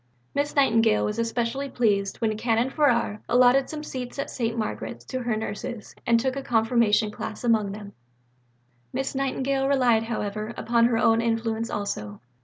Miss Nightingale was especially pleased when Canon Farrar allotted some seats at St. Margaret's to her nurses and took a Confirmation class among them. II Miss Nightingale relied, however, upon her own influence also.